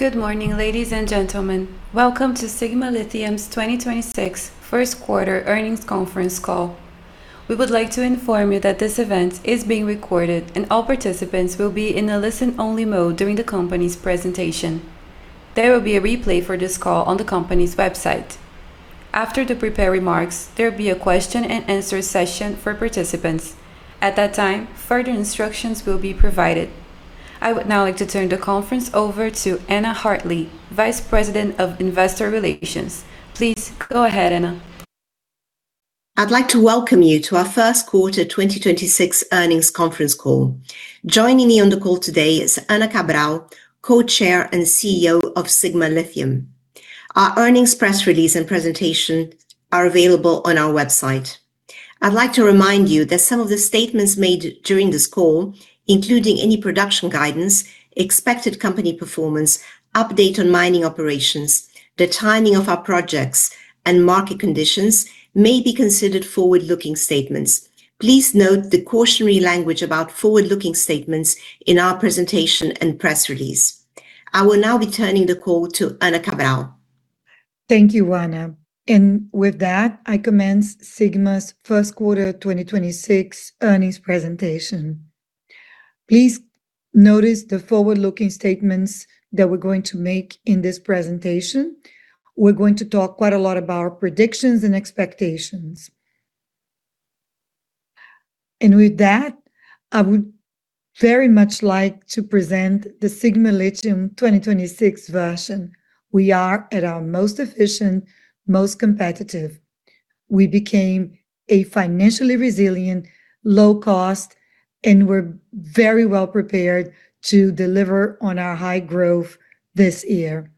Good morning, ladies and gentlemen. Welcome to Sigma Lithium's 2026 first quarter earnings conference call. We would like to inform you that this event is being recorded, and all participants will be in a listen-only mode during the company's presentation. There will be a replay for this call on the company's website. After the prepared remarks, there'll be a question-and-answer session for participants. At that time, further instructions will be provided. I would now like to turn the conference over to Anna Hartley, Vice President of Investor Relations. Please go ahead, Ana. I'd like to welcome you to our first quarter 2026 earnings conference call. Joining me on the call today is Ana Cabral, Co-Chair and CEO of Sigma Lithium. Our earnings press release and presentation are available on our website. I'd like to remind you that some of the statements made during this call, including any production guidance, expected company performance, update on mining operations, the timing of our projects, and market conditions, may be considered forward-looking statements. Please note the cautionary language about forward-looking statements in our presentation and press release. I will now be turning the call to Ana Cabral. Thank you, Ana. With that, I commence Sigma's first quarter 2026 earnings presentation. Please notice the forward-looking statements that we're going to make in this presentation. We're going to talk quite a lot about our predictions and expectations. With that, I would very much like to present the Sigma Lithium 2026 version. We are at our most efficient, most competitive. We became a financially resilient, low cost, and we're very well-prepared to deliver on our high growth this year.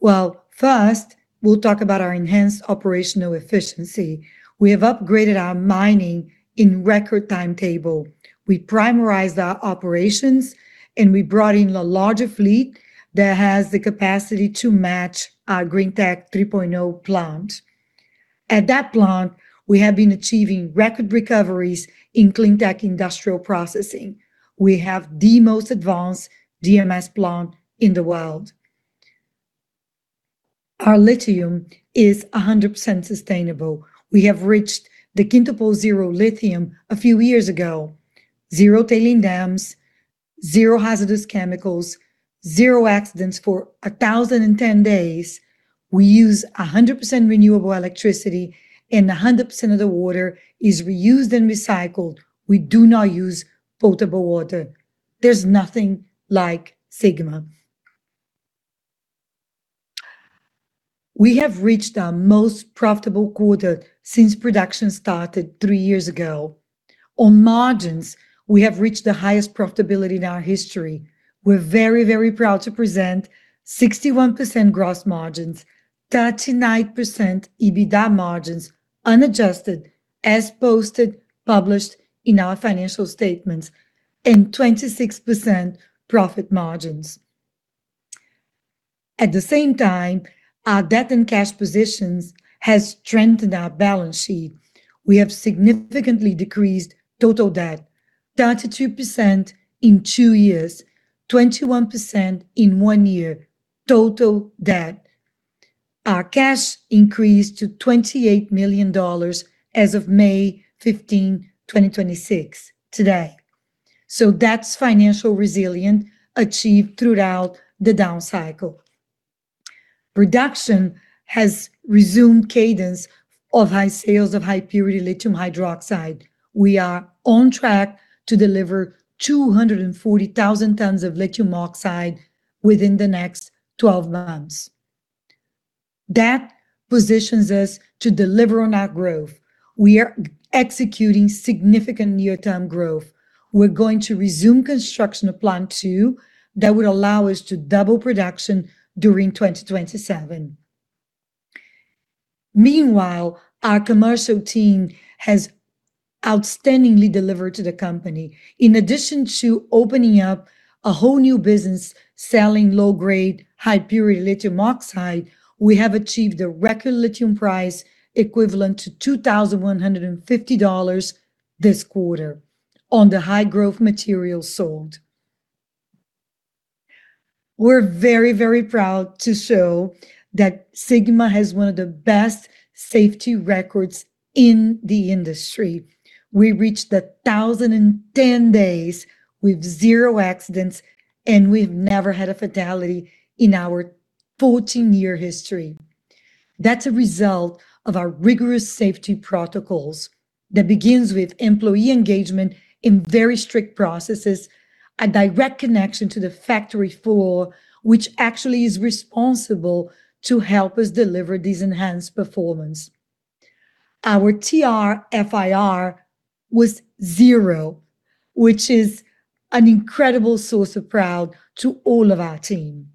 Well, first, we'll talk about our enhanced operational efficiency. We have upgraded our mining in record timetable. We prioritized our operations, and we brought in a larger fleet that has the capacity to match our Greentech 3.0 plant. At that plant, we have been achieving record recoveries in clean tech industrial processing. We have the most advanced DMS plant in the world. Our lithium is 100% sustainable. We have reached the Quintuple Zero Lithium a few years ago. Zero tailing dams, zero hazardous chemicals, zero accidents for 1,010 days. We use 100% renewable electricity, and 100% of the water is reused and recycled. We do not use potable water. There's nothing like Sigma. We have reached our most profitable quarter since production started three years ago. On margins, we have reached the highest profitability in our history. We're very, very proud to present 61% gross margins, 39% EBITDA margins, unadjusted, as posted, published in our financial statements, and 26% profit margins. At the same time, our debt and cash positions has strengthened our balance sheet. We have significantly decreased total debt, 32% in two years, 21% in one year, total debt. Our cash increased to $28 million as of May 15, 2026, today. That's financial resilience achieved throughout the down cycle. Production has resumed cadence of high sales of high-purity lithium oxide concentrate. We are on track to deliver 240,000 tons of lithium oxide within the next 12 months. That positions us to deliver on our growth. We are executing significant near-term growth. We're going to resume construction of phase II. That would allow us to double production during 2027. Meanwhile, our commercial team has outstandingly delivered to the company. In addition to opening up a whole new business selling high-purity lithium fines, we have achieved a record lithium price equivalent to $2,150 this quarter on the high-growth material sold. We're very proud to show that Sigma has one of the best safety records in the industry. We reached 1,010 days with zero accidents, and we've never had a fatality in our 14-year history. That's a result of our rigorous safety protocols that begins with employee engagement in very strict processes, a direct connection to the factory floor, which actually is responsible to help us deliver these enhanced performance. Our TRIFR was zero, which is an incredible source of proud to all of our team.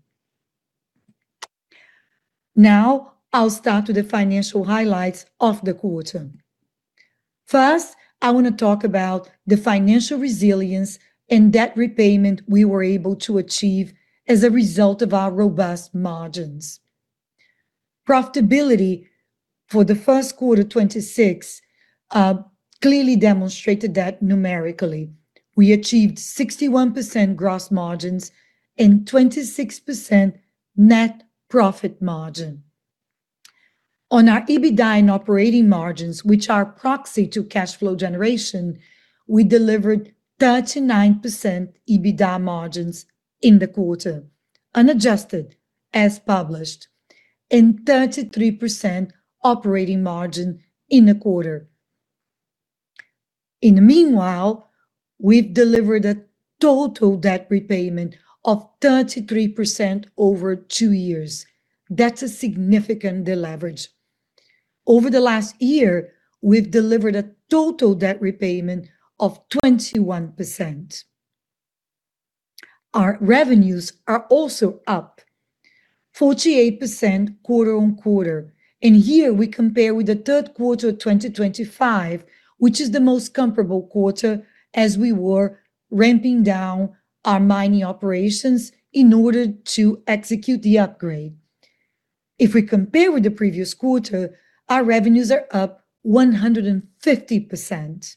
I'll start with the financial highlights of the quarter. First, I want to talk about the financial resilience and debt repayment we were able to achieve as a result of our robust margins. Profitability for the first quarter 2026 clearly demonstrated that numerically. We achieved 61% gross margins and 26% net profit margin. On our EBITDA and operating margins, which are proxy to cash flow generation, we delivered 39% EBITDA margins in the quarter, unadjusted, as published, and 33% operating margin in the quarter. In the meanwhile, we've delivered a total debt repayment of 33% over two years. That's a significant deleverage. Over the last year, we've delivered a total debt repayment of 21%. Our revenues are also up 48% quarter-on-quarter. Here we compare with the third quarter of 2025, which is the most comparable quarter as we were ramping down our mining operations in order to execute the upgrade. If we compare with the previous quarter, our revenues are up 150%.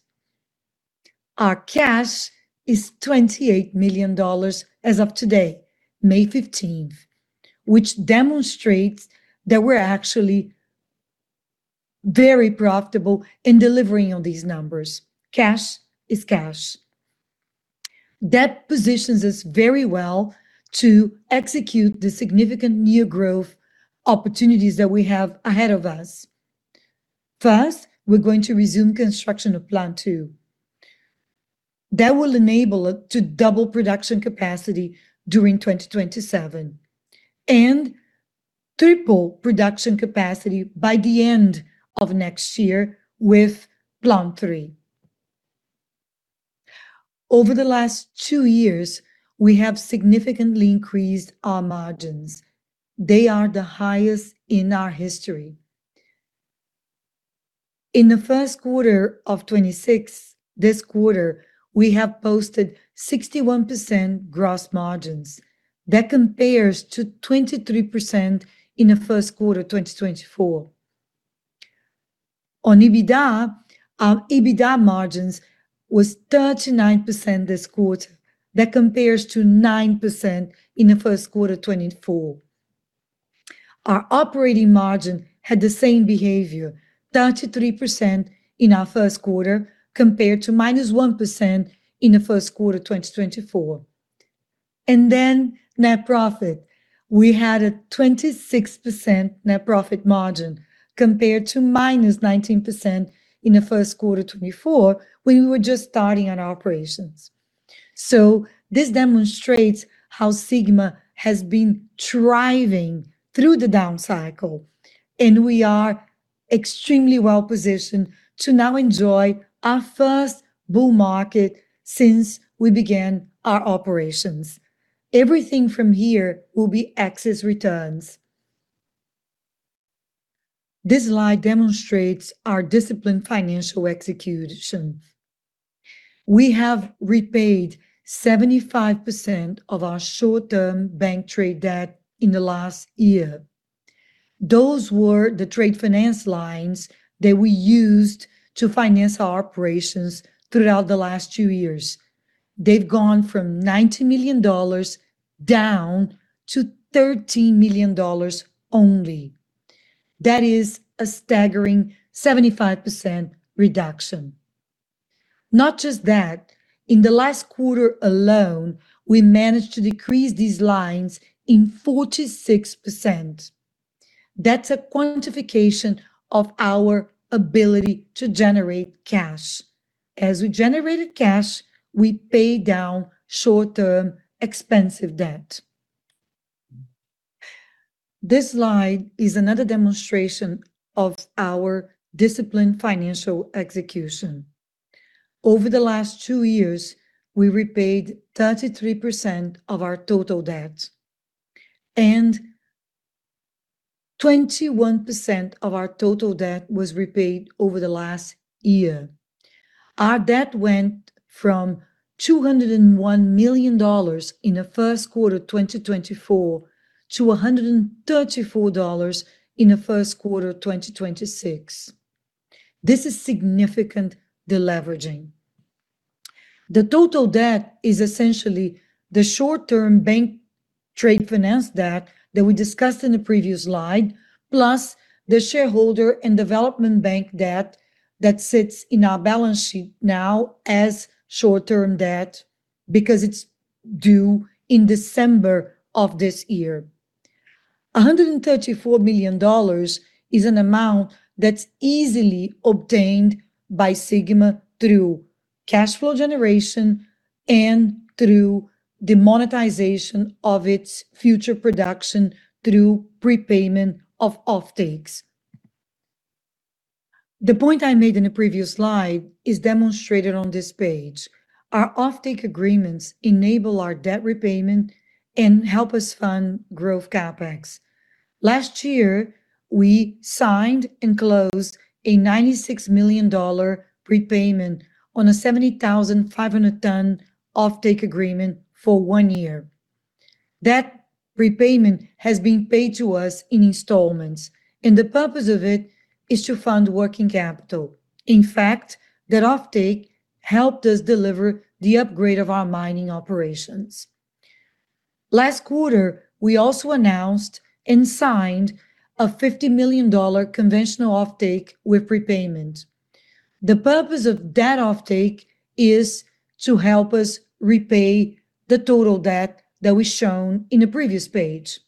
Our cash is $28 million as of today, May 15th, which demonstrates that we're actually very profitable in delivering on these numbers. Cash is cash. That positions us very well to execute the significant new growth opportunities that we have ahead of us. First, we're going to resume construction of Plant 2. That will enable it to double production capacity during 2027 and triple production capacity by the end of next year with Plant 3. Over the last two years, we have significantly increased our margins. They are the highest in our history. In the first quarter of 2026, this quarter, we have posted 61% gross margins. That compares to 23% in the first quarter of 2024. On EBITDA, our EBITDA margins was 39% this quarter. That compares to 9% in the first quarter of 2024. Our operating margin had the same behavior, 33% in our first quarter compared to -1% in the first quarter of 2024. Net profit, we had a 26% net profit margin compared to -19% in the first quarter 2024 when we were just starting our operations. This demonstrates how Sigma has been thriving through the down cycle, and we are extremely well-positioned to now enjoy our first bull market since we began our operations. Everything from here will be excess returns. This slide demonstrates our disciplined financial execution. We have repaid 75% of our short-term bank trade debt in the last year. Those were the trade finance lines that we used to finance our operations throughout the last two years. They've gone from $90 million down to $13 million only. That is a staggering 75% reduction. Not just that, in the last quarter alone, we managed to decrease these lines in 46%. That's a quantification of our ability to generate cash. As we generated cash, we paid down short-term expensive debt. This slide is another demonstration of our disciplined financial execution. Over the last two years, we repaid 33% of our total debt and 21% of our total debt was repaid over the last year. Our debt went from $201 million in the first quarter of 2024 to $134 in the first quarter of 2026. This is significant deleveraging. The total debt is essentially the short-term bank trade finance debt that we discussed in the previous slide, plus the shareholder and development bank debt that sits in our balance sheet now as short-term debt because it's due in December of this year. $134 million is an amount that's easily obtained by Sigma through cash flow generation and through the monetization of its future production through prepayment of offtakes. The point I made in the previous slide is demonstrated on this page. Our offtake agreements enable our debt repayment and help us fund growth CapEx. Last year, we signed and closed a $96 million prepayment on a 70,500 ton offtake agreement for one year. That repayment has been paid to us in installments, and the purpose of it is to fund working capital. In fact, that offtake helped us deliver the upgrade of our mining operations. Last quarter, we also announced and signed a $50 million conventional offtake with prepayment. The purpose of that offtake is to help us repay the total debt that was shown in the previous page.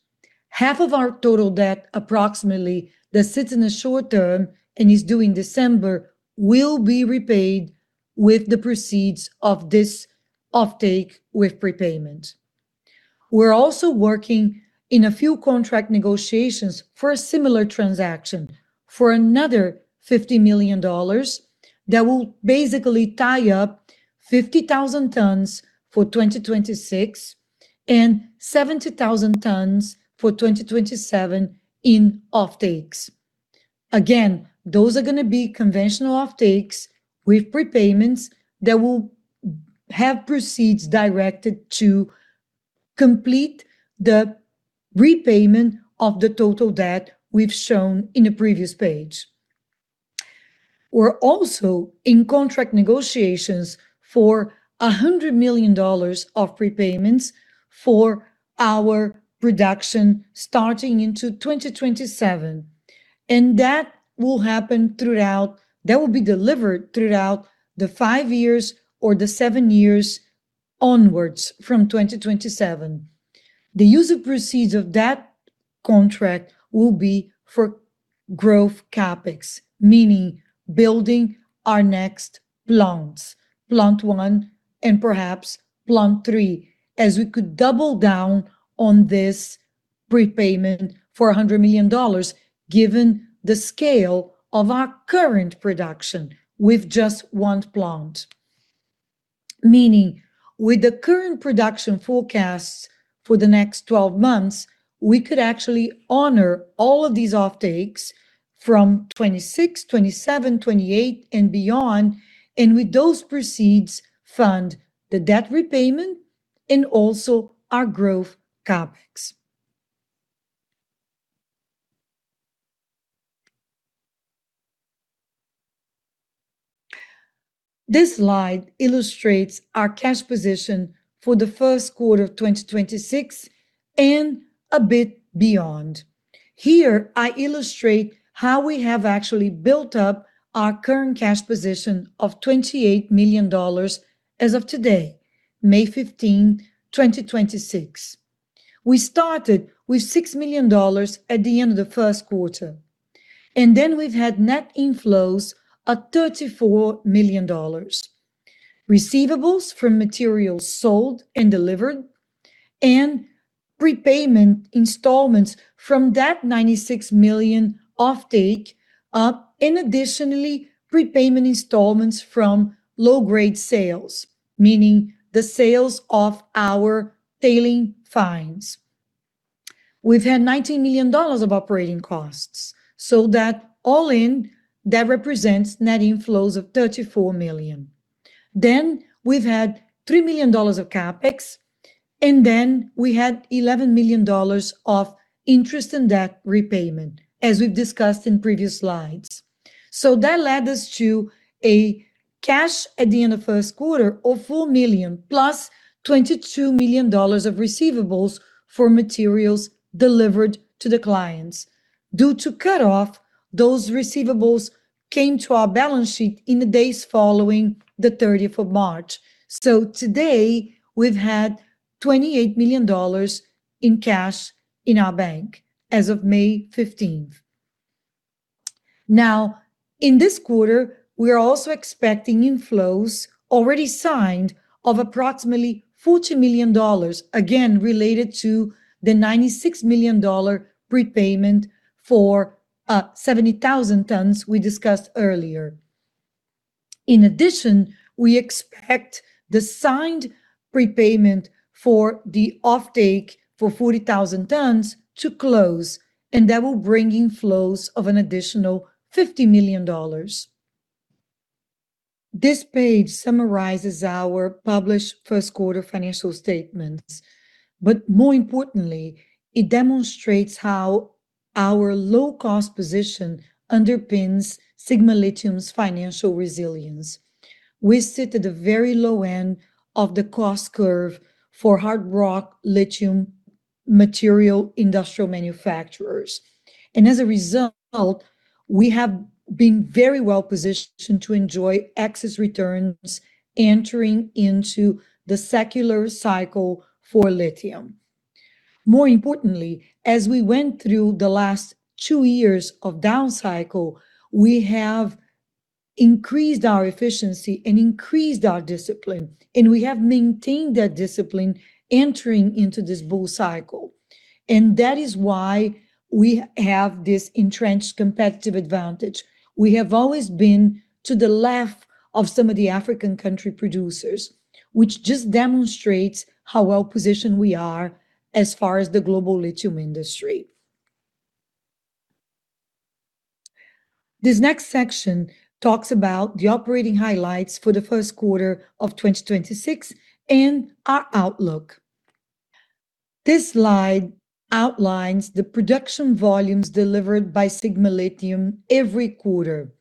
Half of our total debt, approximately, that sits in the short term and is due in December, will be repaid with the proceeds of this offtake with prepayment. We're also working in a few contract negotiations for a similar transaction for another $50 million that will basically tie up 50,000 tons for 2026 and 70,000 tons for 2027 in offtakes. Those are going to be conventional offtakes with prepayments that will have proceeds directed to complete the repayment of the total debt we've shown in the previous page. We're also in contract negotiations for $100 million of prepayments for our production starting into 2027, and that will be delivered throughout the five years or the seven years onwards from 2027. The use of proceeds of that contract will be for growth CapEx, meaning building our next plants, Plant 1 and perhaps phase III, as we could double down on this prepayment for $100 million given the scale of our current production with just one plant. Meaning, with the current production forecasts for the next 12 months, we could actually honor all of these offtakes from 2026, 2027, 2028 and beyond, and with those proceeds, fund the debt repayment and also our growth CapEx. This slide illustrates our cash position for the first quarter of 2026 and a bit beyond. Here, I illustrate how we have actually built up our current cash position of $28 million as of today, May 15th, 2026. We started with $6 million at the end of the first quarter, and then we've had net inflows of $34 million, receivables from materials sold and delivered, and prepayment installments from that $96 million offtake, and additionally, prepayment installments from low-grade sales, meaning the sales of our tailing fines. We've had $19 million of operating costs, so that all in, that represents net inflows of $34 million. We've had $3 million of CapEx, and then we had $11 million of interest and debt repayment, as we've discussed in previous slides. That led us to a cash at the end of first quarter of $4 million plus $22 million of receivables for materials delivered to the clients. Due to cut off, those receivables came to our balance sheet in the days following the 30th of March. Today, we've had $28 million in cash in our bank as of May 15th. In this quarter, we are also expecting inflows already signed of approximately $40 million, again, related to the $96 million prepayment for 70,000 tons we discussed earlier. In addition, we expect the signed prepayment for the offtake for 40,000 tons to close, and that will bring inflows of an additional $50 million. This page summarizes our published first quarter financial statements, but more importantly, it demonstrates how our low-cost position underpins Sigma Lithium's financial resilience. We sit at the very low end of the cost curve for hard rock lithium material industrial manufacturers. As a result, we have been very well-positioned to enjoy excess returns entering into the secular cycle for lithium. More importantly, as we went through the last two years of down cycle, we have increased our efficiency and increased our discipline. We have maintained that discipline entering into this bull cycle. That is why we have this entrenched competitive advantage. We have always been to the left of some of the African country producers, which just demonstrates how well-positioned we are as far as the global lithium industry. This next section talks about the operating highlights for the first quarter of 2026 and our outlook. This slide outlines the production volumes delivered by Sigma Lithium every quarter.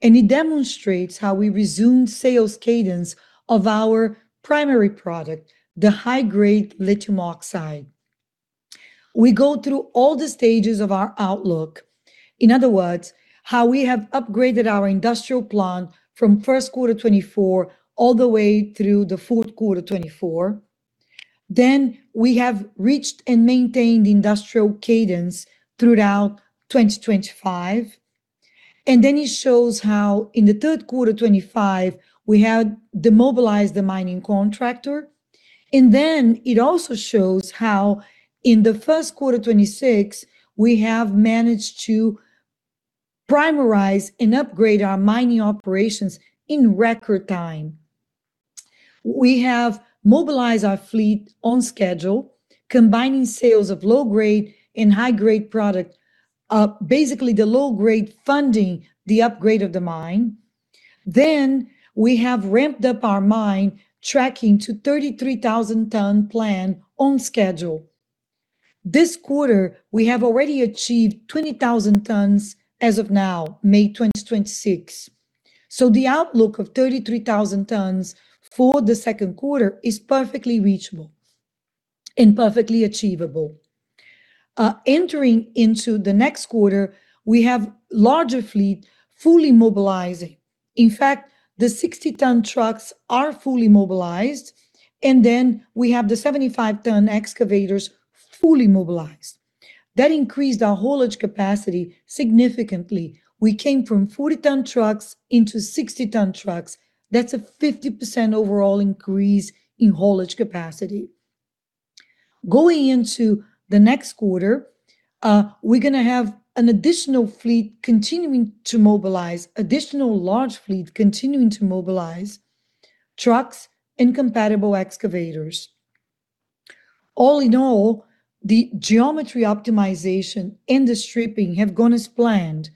It demonstrates how we resumed sales cadence of our primary product, the high-grade lithium concentrate. We go through all the stages of our outlook. In other words, how we have upgraded our industrial plant from first quarter 2024 all the way through the fourth quarter 2024. We have reached and maintained industrial cadence throughout 2025. It shows how in the third quarter 2025 we had demobilized the mining contractor. It also shows how in the first quarter 2026 we have managed to primarize and upgrade our mining operations in record time. We have mobilized our fleet on schedule, combining sales of low-grade and high-grade product, basically the low-grade funding the upgrade of the mine. We have ramped up our mine tracking to 33,000 ton plan on schedule. This quarter, we have already achieved 20,000 tons as of now, May 2026. The outlook of 33,000 tons for the second quarter is perfectly reachable and perfectly achievable. Entering into the next quarter, we have larger fleet fully mobilizing. In fact, the 60 ton trucks are fully mobilized, and then we have the 75 ton excavators fully mobilized. That increased our haulage capacity significantly. We came from 40 ton trucks into 60 ton trucks. That's a 50% overall increase in haulage capacity. Going into the next quarter, we're gonna have an additional fleet continuing to mobilize, additional large fleet continuing to mobilize trucks and compatible excavators. All in all, the geometry optimization and the stripping have gone as planned.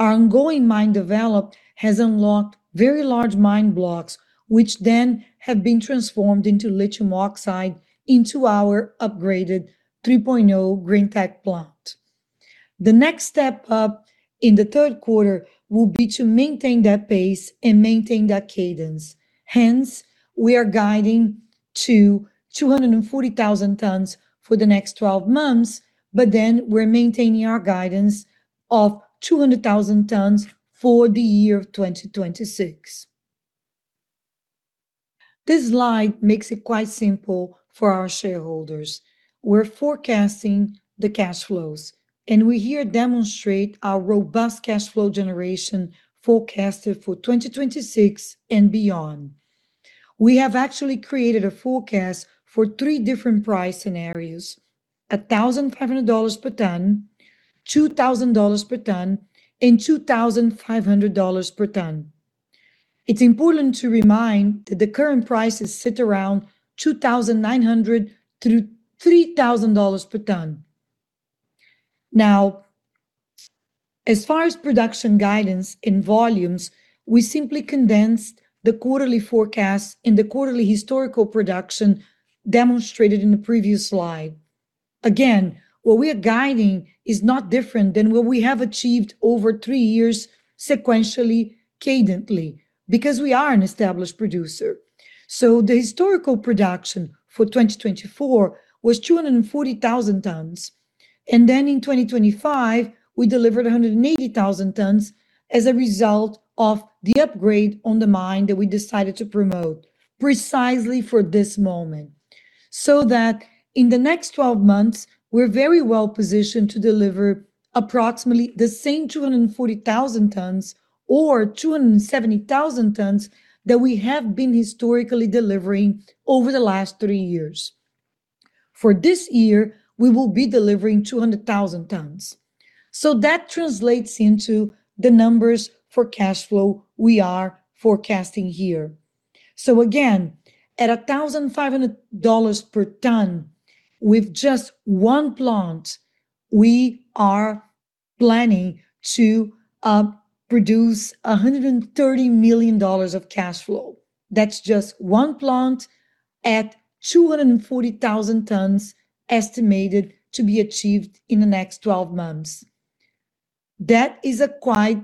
Our ongoing mine develop has unlocked very large mine blocks, which then have been transformed into lithium oxide into our upgraded 3.0 Greentech Plant. The next step up in the third quarter will be to maintain that pace and maintain that cadence. We are guiding to 240,000 tons for the next 12 months, we're maintaining our guidance of 200,000 tons for the year 2026. This slide makes it quite simple for our shareholders. We're forecasting the cash flows, and we here demonstrate our robust cash flow generation forecasted for 2026 and beyond. We have actually created a forecast for three different price scenarios: $1,500 per ton, $2,000 per ton, and $2,500 per ton. It's important to remind that the current prices sit around $2,900-$3,000 per ton. As far as production guidance in volumes, we simply condensed the quarterly forecast and the quarterly historical production demonstrated in the previous slide. Again, what we are guiding is not different than what we have achieved over three years sequentially, cadently, because we are an established producer. The historical production for 2024 was 240,000 tons. In 2025, we delivered 180,000 tons as a result of the upgrade on the mine that we decided to promote precisely for this moment. In the next 12 months, we're very well positioned to deliver approximately the same 240,000 tons or 270,000 tons that we have been historically delivering over the last three years. For this year, we will be delivering 200,000 tons. That translates into the numbers for cash flow we are forecasting here. Again, at $1,500 per ton with just one plant, we are planning to produce $130 million of cash flow. That's just one plant at 240,000 tons estimated to be achieved in the next 12 months. That is a quite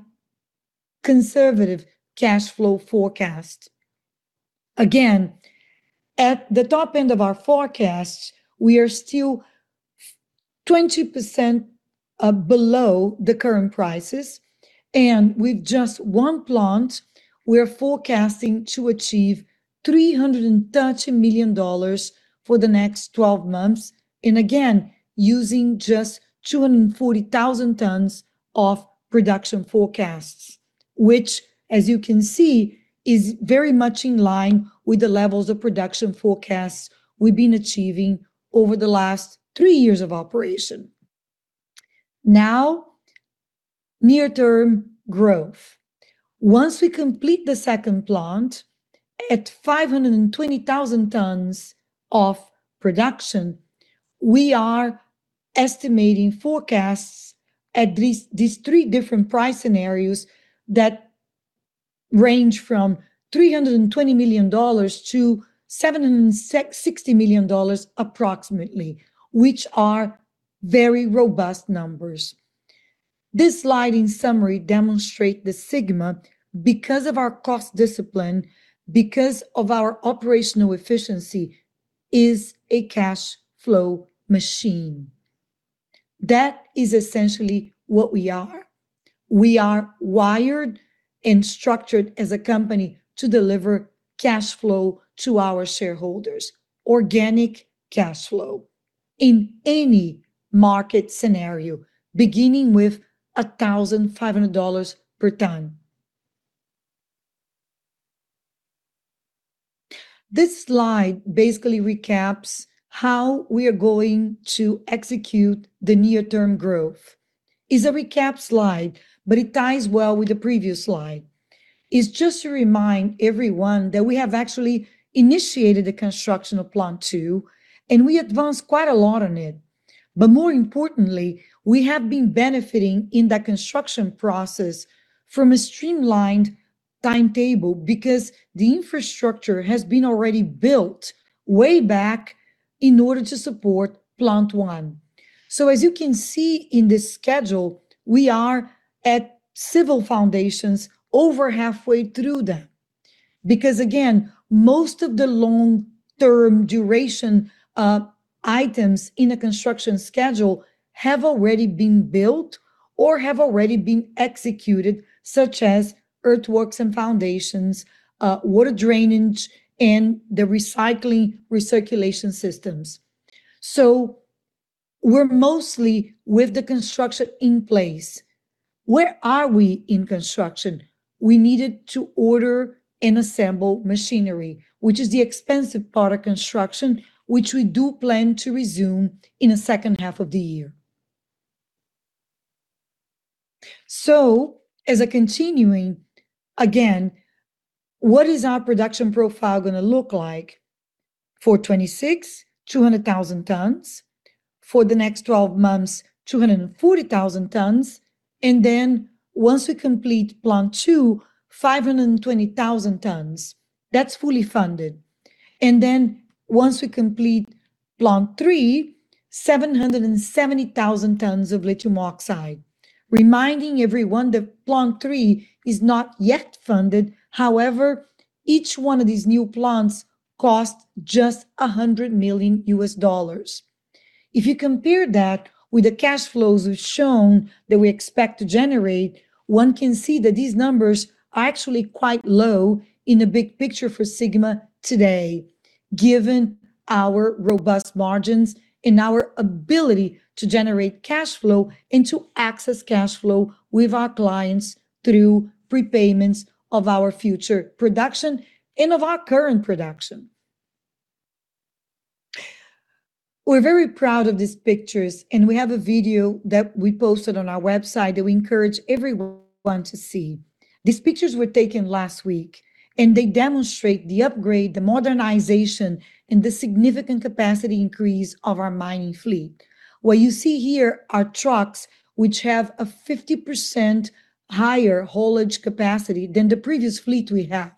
conservative cash flow forecast. Again, at the top end of our forecast, we are still 20% below the current prices, and with just one plant, we are forecasting to achieve $330 million for the next 12 months and again, using just 240,000 tons of production forecasts, which, as you can see, is very much in line with the levels of production forecasts we've been achieving over the last three years of operation. Now, near-term growth. Once we complete the second plant at 520,000 tons of production, we are estimating forecasts at least these three different price scenarios that range from $320 millin-$760 million approximately, which are very robust numbers. This slide, in summary, demonstrate that Sigma, because of our cost discipline, because of our operational efficiency, is a cash flow machine. That is essentially what we are. We are wired and structured as a company to deliver cash flow to our shareholders, organic cash flow in any market scenario, beginning with $1,500 per ton. This slide basically recaps how we are going to execute the near-term growth. It is a recap slide, it ties well with the previous slide. Is just to remind everyone that we have actually initiated the construction of Plant 2. We advanced quite a lot on it. More importantly, we have been benefiting in that construction process from a streamlined timetable because the infrastructure has been already built way back in order to support Plant 1. As you can see in the schedule, we are at civil foundations over halfway through that because, again, most of the long-term duration items in a construction schedule have already been built or have already been executed, such as earthworks and foundations, water drainage, and the recycling recirculation systems. We're mostly with the construction in place. Where are we in construction? We needed to order and assemble machinery, which is the expensive part of construction, which we do plan to resume in the second half of the year. As a continuing, again, what is our production profile going to look like? For 2026, 200,000 tons. For the next 12 months, 240,000 tons. Once we complete Plant 2, 520,000 tons. That's fully funded. Once we complete Plant 3, 770,000 tons of lithium oxide. Reminding everyone that Plant 3 is not yet funded. However, each one of these new plants cost just $100 million. If you compare that with the cash flows we've shown that we expect to generate, one can see that these numbers are actually quite low in the big picture for Sigma today, given our robust margins and our ability to generate cash flow and to access cash flow with our clients through prepayments of our future production and of our current production. We're very proud of these pictures, and we have a video that we posted on our website that we encourage everyone to see. These pictures were taken last week, and they demonstrate the upgrade, the modernization, and the significant capacity increase of our mining fleet. What you see here are trucks which have a 50% higher haulage capacity than the previous fleet we have.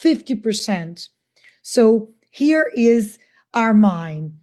50%. Here is our mine.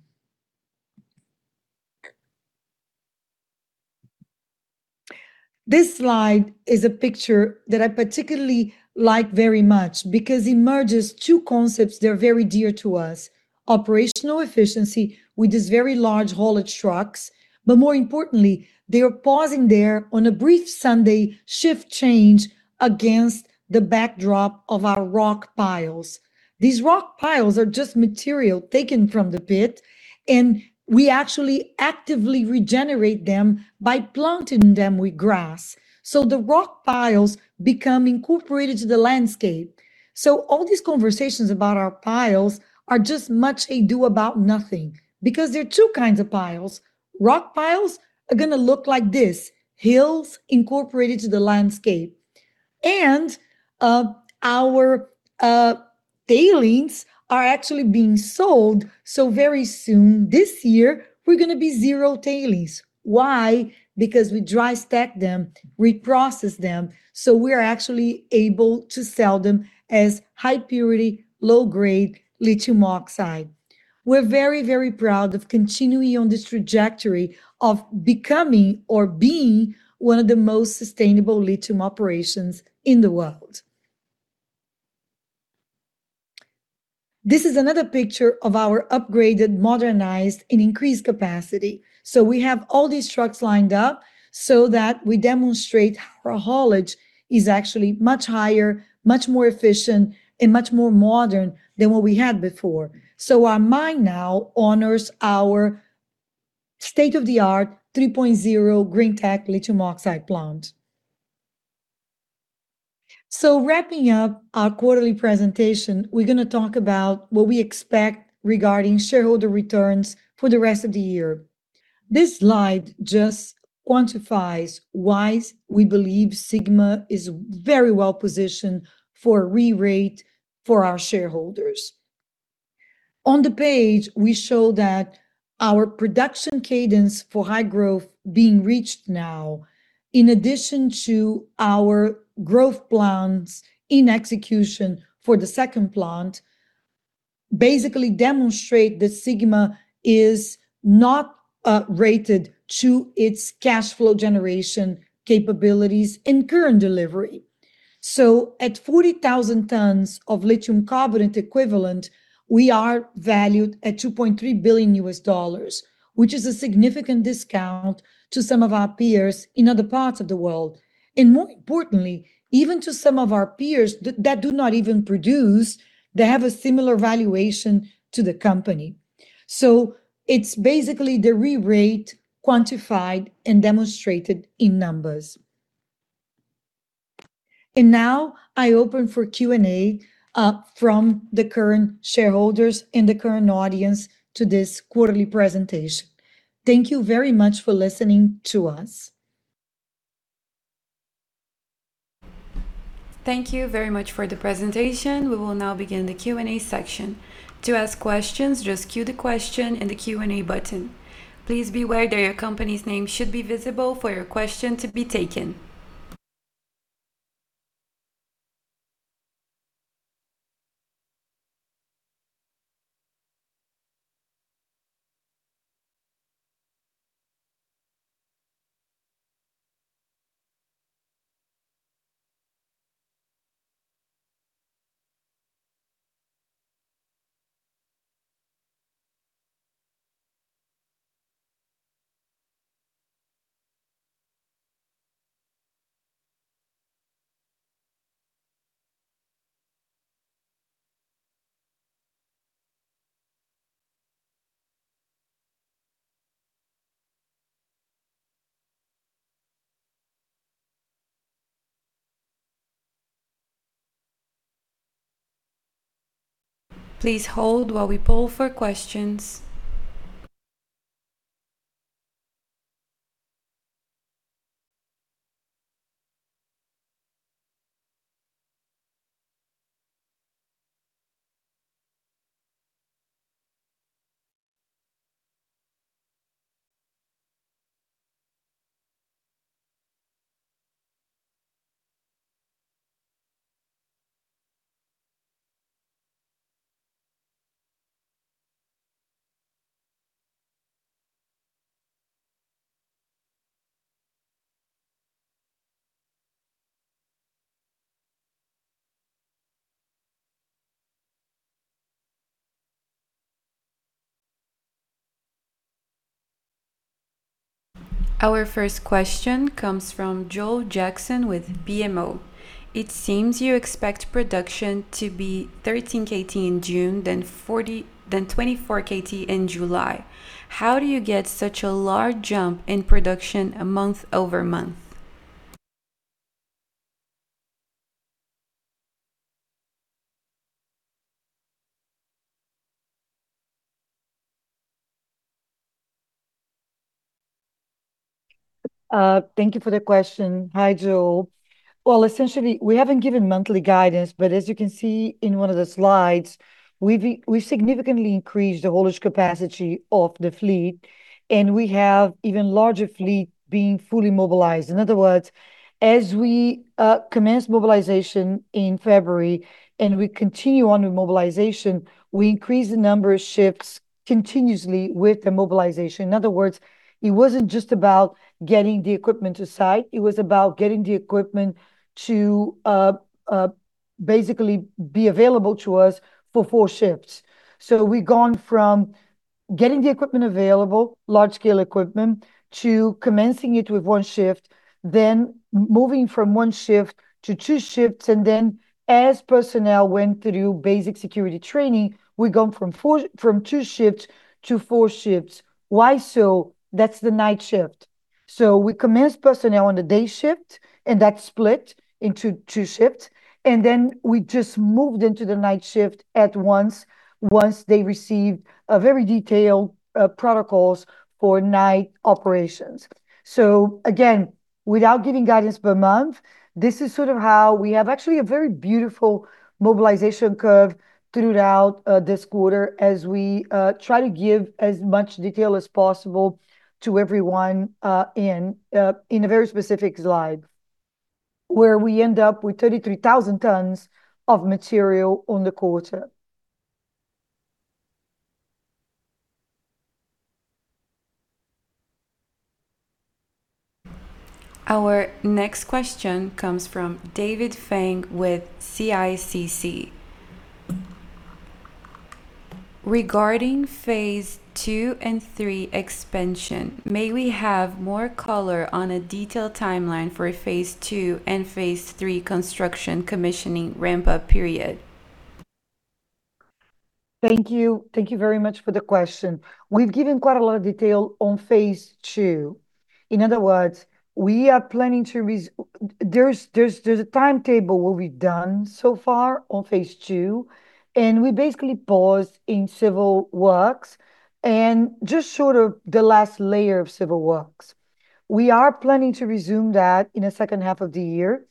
This slide is a picture that I particularly like very much because it merges two concepts that are very dear to us, operational efficiency with these very large haulage trucks, but more importantly, they are pausing there on a brief Sunday shift change against the backdrop of our rock piles. These rock piles are just material taken from the pit, and we actually actively regenerate them by planting them with grass, so the rock piles become incorporated to the landscape. All these conversations about our piles are just much ado about nothing because there are two kinds of piles. Rock piles are gonna look like this, hills incorporated to the landscape. Our tailings are actually being sold, so very soon this year, we're gonna be zero tailings. Why? Because we dry stack them, reprocess them, so we are actually able to sell them as high-purity, low-grade lithium oxide. We're very, very proud of continuing on this trajectory of becoming or being one of the most sustainable lithium operations in the world. This is another picture of our upgraded, modernized, and increased capacity. We have all these trucks lined up so that we demonstrate our haulage is actually much higher, much more efficient, and much more modern than what we had before. Our mine now honors our state-of-the-art 3.0 Greentech lithium oxide plant. Wrapping up our quarterly presentation, we're gonna talk about what we expect regarding shareholder returns for the rest of the year. This slide just quantifies why we believe Sigma is very well positioned for a re-rate for our shareholders. On the page, we show that our production cadence for high growth being reached now, in addition to our growth plans in execution for the second plant, basically demonstrate that Sigma is not rated to its cash flow generation capabilities in current delivery. At 40,000 tons of lithium carbonate equivalent, we are valued at $2.3 billion, which is a significant discount to some of our peers in other parts of the world. More importantly, even to some of our peers that do not even produce, they have a similar valuation to the company. It's basically the rerate quantified and demonstrated in numbers. Now I open for Q&A from the current shareholders and the current audience to this quarterly presentation. Thank you very much for listening to us. Thank you very much for the presentation. We will now begin the Q&A section. To ask questions, just queue the question in the Q&A button. Please be aware that your company's name should be visible for your question to be taken. Please hold while we poll for questions. Our first question comes from Joel Jackson with BMO. It seems you expect production to be 13,000 tonsin June, then 24,000 tons in July. How do you get such a large jump in production month-over-month? Thank you for the question. Hi, Joel. Well, essentially, we haven't given monthly guidance, but as you can see in one of the slides, we've significantly increased the haulage capacity of the fleet, and we have even larger fleet being fully mobilized. In other words, as we commence mobilization in February and we continue on with mobilization, we increase the number of shifts continuously with the mobilization. In other words, it wasn't just about getting the equipment to site, it was about getting the equipment to basically be available to us for four shifts. We've gone from getting the equipment available, large scale equipment, to commencing it with one shift, then moving from one shift to two shifts, and then as personnel went through basic security training, we've gone from two shifts to four shifts. Why so? That's the night shift. We commenced personnel on the day shift, and that split into two shifts, and then we just moved into the night shift at once they received very detailed protocols for night operations. Again, without giving guidance per month, this is sort of how we have actually a very beautiful mobilization curve throughout this quarter as we try to give as much detail as possible to everyone in a very specific slide, where we end up with 33,000 tons of material on the quarter. Our next question comes from David Feng with CICC. Regarding phase II and II expansion, may we have more color on a detailed timeline for phase II and phase III construction commissioning ramp-up period? Thank you. Thank you very much for the question. We've given quite a lot of detail on phase II. in other words, we are planning to resume. There's a timetable what we've done so far on phase II. We basically paused in civil works, just sort of the last layer of civil works. We are planning to resume that in the second half of the year.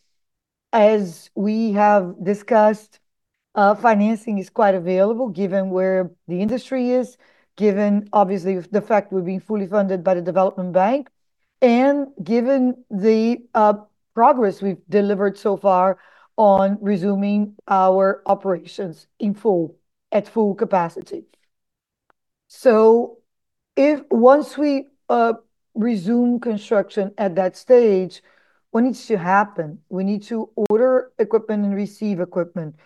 As we have discussed, financing is quite available given where the industry is, given obviously the fact we're being fully funded by the Development Bank, given the progress we've delivered so far on resuming our operations in full, at full capacity. If once we resume construction at that stage, what needs to happen? We need to order equipment and receive equipment.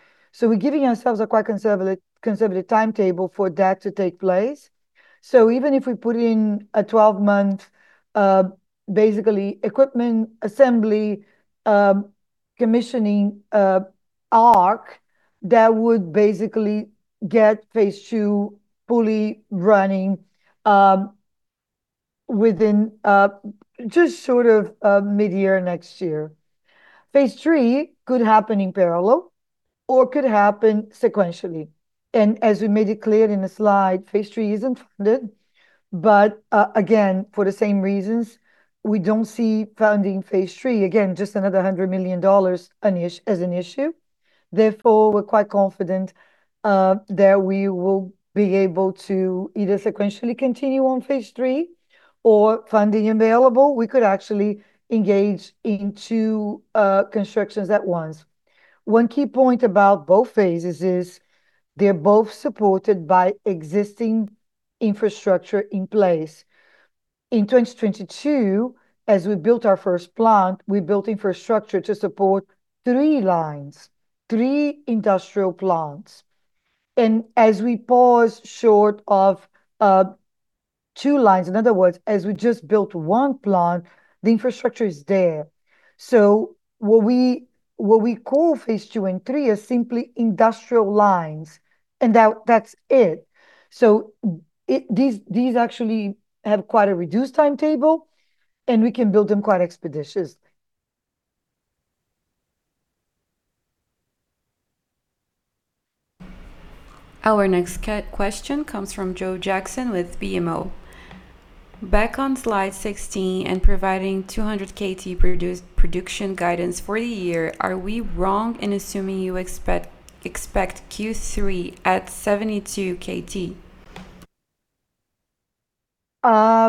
We're giving ourselves a quite conservative timetable for that to take place. Even if we put in a 12-month, basically equipment assembly, commissioning, arc, that would basically get phase II fully running within just sort of mid-year next year. Phase III could happen in parallel or could happen sequentially. As we made it clear in the slide, phase III isn't funded, but again, for the same reasons, we don't see funding phase III, again, just another $100 million as an issue. We're quite confident that we will be able to either sequentially continue on phase III, or funding available, we could actually engage in two constructions at once. One key point about both phases is they're both supported by existing infrastructure in place. In 2022, as we built our first plant, we built infrastructure to support three lines, three industrial plants. As we pause short of two lines, in other words, as we just built one plant, the infrastructure is there. What we call phase II and III is simply industrial lines, and that's it. These actually have quite a reduced timetable, and we can build them quite expeditiously. Our next question comes from Joel Jackson with BMO. Back on slide 16 and providing 200,000 tons production guidance for the year, are we wrong in assuming you expect Q3 at 72,000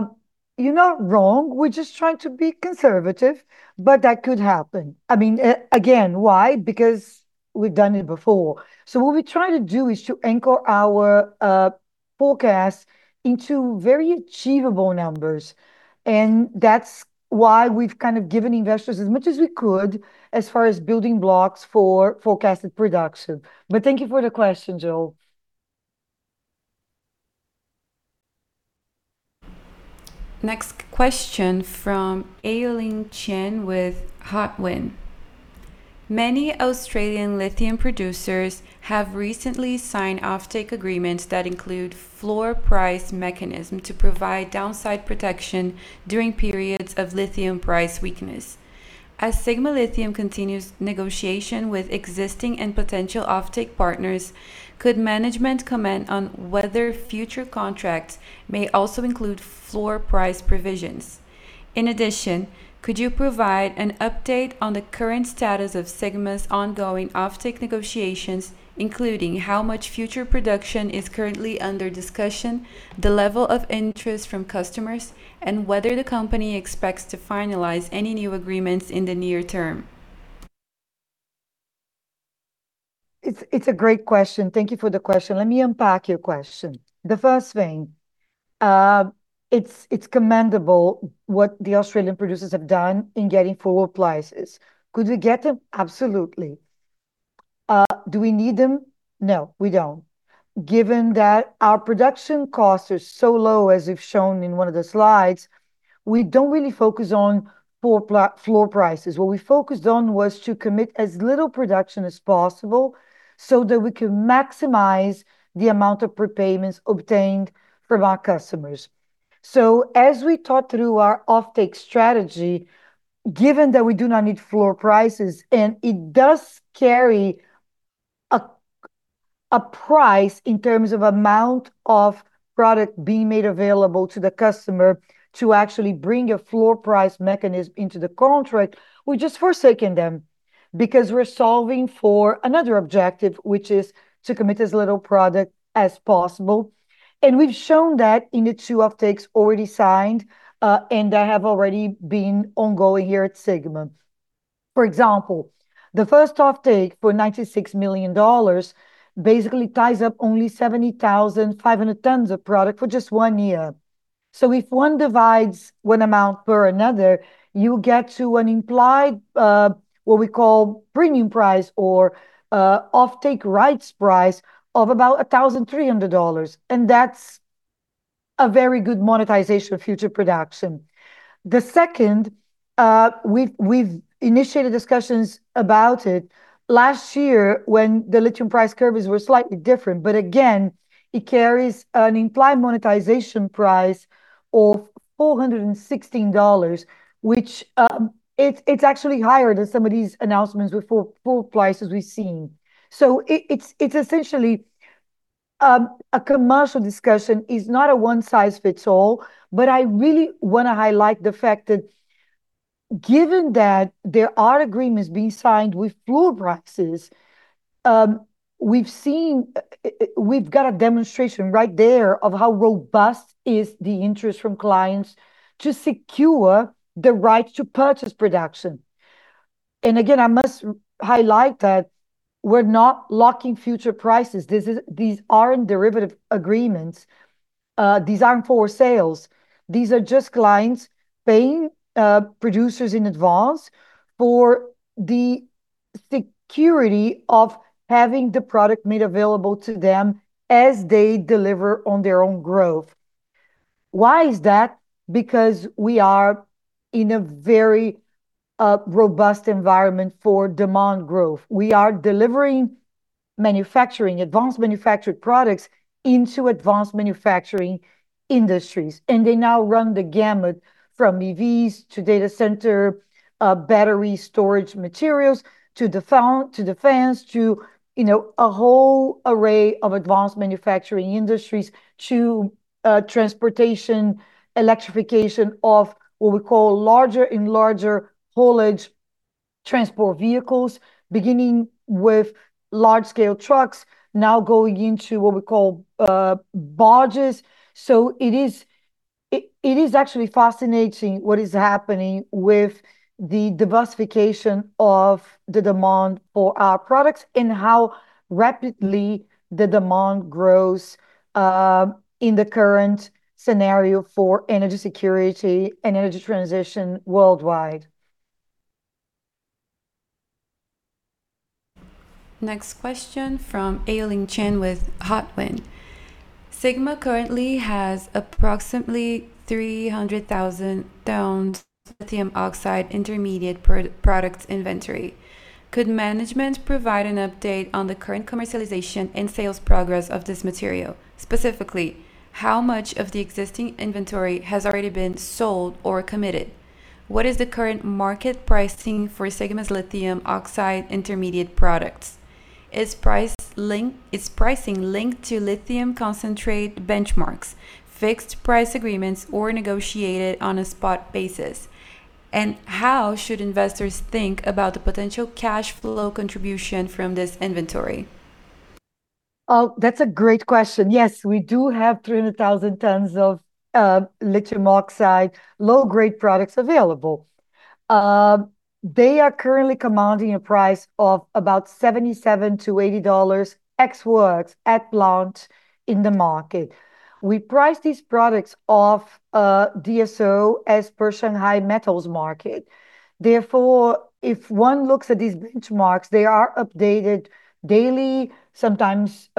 tons? You're not wrong. We're just trying to be conservative, but that could happen. I mean, again, why? Because we've done it before. What we try to do is to anchor our forecast into very achievable numbers, and that's why we've kind of given investors as much as we could as far as building blocks for forecasted production. Thank you for the question, Joel. Next question from Ailing Chen with Hot Win. Many Australian lithium producers have recently signed offtake agreements that include floor price mechanism to provide downside protection during periods of lithium price weakness. As Sigma Lithium continues negotiation with existing and potential offtake partners, could management comment on whether future contracts may also include floor price provisions? In addition, could you provide an update on the current status of Sigma's ongoing offtake negotiations, including how much future production is currently under discussion, the level of interest from customers, and whether the company expects to finalize any new agreements in the near term? It's a great question. Thank you for the question. Let me unpack your question. The first thing, it's commendable what the Australian producers have done in getting floor prices. Could we get them? Absolutely. Do we need them? No, we don't. Given that our production costs are so low, as we've shown in one of the slides, we don't really focus on floor prices. What we focused on was to commit as little production as possible so that we can maximize the amount of prepayments obtained from our customers. As we thought through our offtake strategy, given that we do not need floor prices, and it does carry a price in terms of amount of product being made available to the customer to actually bring a floor price mechanism into the contract, we've just forsaken them because we're solving for another objective, which is to commit as little product as possible. We've shown that in the two offtakes already signed and that have already been ongoing here at Sigma. For example, the first offtake for $96 million basically ties up only 70,500 tons of product for just one year. If one divides one amount per another, you get to an implied what we call premium price or offtake rights price of about $1,300, that's a very good monetization of future production. The second, we've initiated discussions about it last year when the lithium price curves were slightly different. Again, it carries an implied monetization price of $416, which, it's actually higher than some of these announcements with floor prices we've seen. It's essentially a commercial discussion. It's not a one-size-fits-all, but I really wanna highlight the fact that given that there are agreements being signed with floor prices, we've seen, we've got a demonstration right there of how robust is the interest from clients to secure the right to purchase production. Again, I must highlight that we're not locking future prices. These aren't derivative agreements. These aren't for sales. These are just clients paying producers in advance for the security of having the product made available to them as they deliver on their own growth. Why is that? Because we are in a very robust environment for demand growth. We are delivering manufacturing, advanced manufactured products into advanced manufacturing industries, and they now run the gamut from EVs to data center battery storage materials, to defense to, you know, a whole array of advanced manufacturing industries to transportation, electrification of what we call larger and larger haulage transport vehicles, beginning with large scale trucks now going into what we call barges. It is actually fascinating what is happening with the diversification of the demand for our products and how rapidly the demand grows in the current scenario for energy security and energy transition worldwide. Next question from Ailing Chen with Hot Win. Sigma currently has approximately 300,000 tons lithium oxide intermediate products inventory. Could management provide an update on the current commercialization and sales progress of this material? Specifically, how much of the existing inventory has already been sold or committed? What is the current market pricing for Sigma's lithium oxide intermediate products? Is pricing linked to lithium concentrate benchmarks, fixed price agreements, or negotiated on a spot basis? How should investors think about the potential cash flow contribution from this inventory? That's a great question. Yes, we do have 300,000 tons of lithium oxide, low-grade products available. They are currently commanding a price of about $77-$80 ex works at plant in the market. We price these products off DSO as per Shanghai Metals Market. If one looks at these benchmarks, they are updated daily, sometimes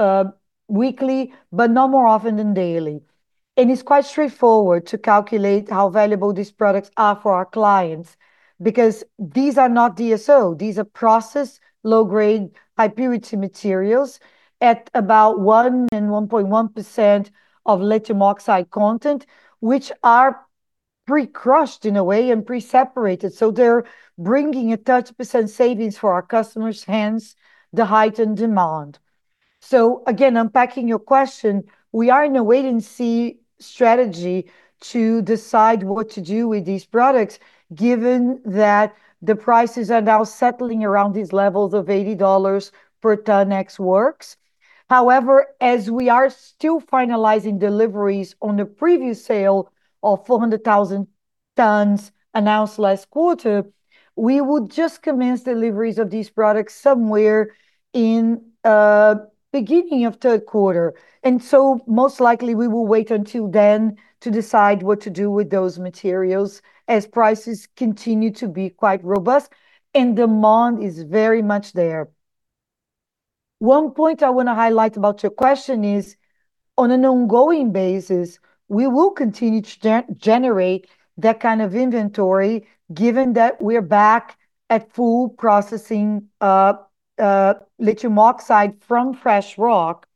weekly, but no more often than daily. It's quite straightforward to calculate how valuable these products are for our clients because these are not DSO. These are processed low-grade high purity materials at about 1% and 1.1% of lithium oxide content, which are pre-crushed in a way and pre-separated. They're bringing a 30% savings for our customers, hence the heightened demand. Again, unpacking your question, we are in a wait-and-see strategy to decide what to do with these products, given that the prices are now settling around these levels of $80 per ton ex works. However, as we are still finalizing deliveries on the previous sale of 400,000 tons announced last quarter, we would just commence deliveries of these products somewhere in beginning of third quarter. Most likely we will wait until then to decide what to do with those materials as prices continue to be quite robust and demand is very much there. One point I want to highlight about your question is, on an ongoing basis, we will continue to generate that kind of inventory, given that we're back at full processing lithium oxide from fresh rock.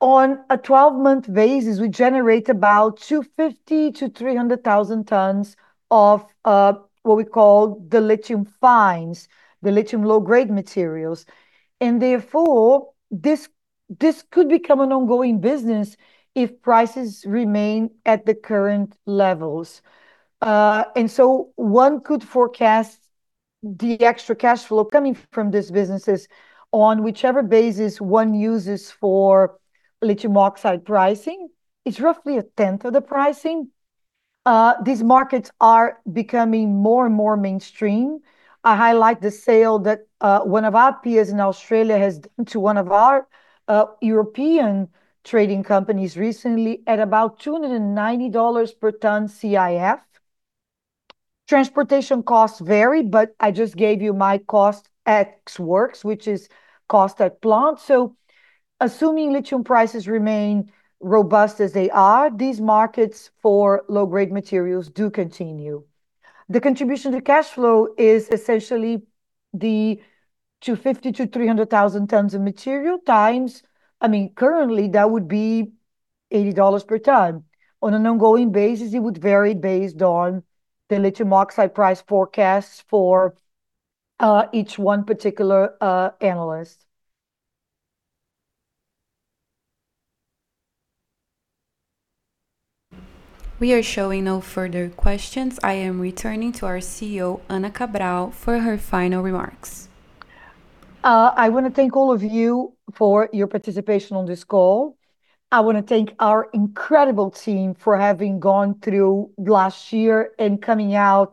On a 12-month basis, we generate about 250,000-300,000 tons of what we call the lithium fines, the lithium low-grade materials. Therefore, this could become an ongoing business if prices remain at the current levels. One could forecast the extra cash flow coming from these businesses on whichever basis one uses for lithium oxide pricing. It's roughly a tenth of the pricing. These markets are becoming more and more mainstream. I highlight the sale that one of our peers in Australia has done to one of our European trading companies recently at about $290 per ton CIF. Transportation costs vary, but I just gave you my cost ex works, which is cost at plant. Assuming lithium prices remain robust as they are, these markets for low-grade materials do continue. The contribution to cash flow is essentially the 250,000-300,000 tons of material times I mean, currently, that would be $80 per ton. On an ongoing basis, it would vary based on the lithium oxide price forecasts for each one particular analyst. We are showing no further questions. I am returning to our CEO, Ana Cabral, for her final remarks. I wanna thank all of you for your participation on this call. I wanna thank our incredible team for having gone through last year and coming out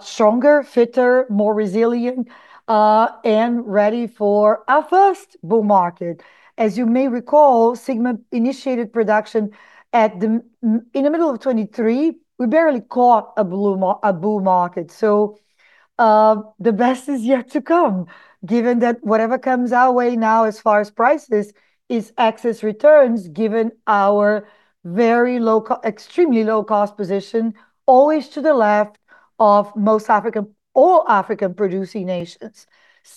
stronger, fitter, more resilient, and ready for our first bull market. As you may recall, Sigma initiated production in the middle of 2023. We barely caught a bull market. The best is yet to come, given that whatever comes our way now as far as prices is excess returns, given our very low extremely low-cost position, always to the left of most African, all African producing nations.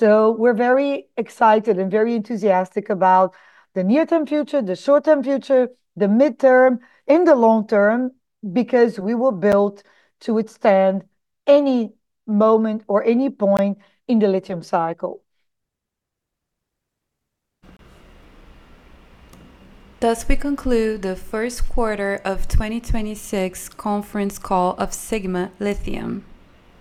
We're very excited and very enthusiastic about the near-term future, the short-term future, the midterm, and the long term, because we were built to withstand any moment or any point of the lithium cycle. Thus we conclude the first quarter of 2026 conference call of Sigma Lithium.